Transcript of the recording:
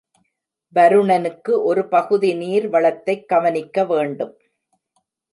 வருணனுக்கு ஒரு பகுதி, நீர் வளத்தைக் கவனிக்க வேண்டும்.